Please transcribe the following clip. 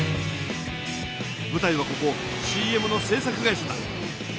ぶたいはここＣＭの制作会社だ。